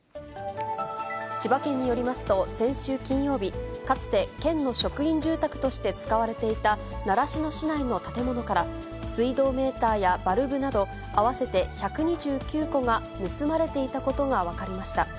千葉県によりますと、先週金曜日、かつて、県の職員住宅として使われていた習志野市内の建物から、水道メーターやバルブなど、合わせて１２９個が盗まれていたことが分かりました。